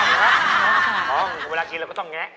เวลากินเราก็ต้องแงะ